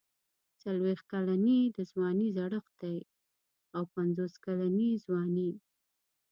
څلوېښت کلني د ځوانۍ زړښت دی او پنځوس کلني ځواني.